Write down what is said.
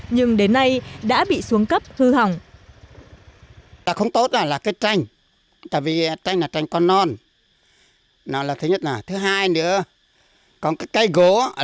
nhưng đến nay đã bị xuống cấp hư hỏng